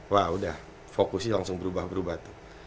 wah udah fokusnya langsung berubah berubah tuh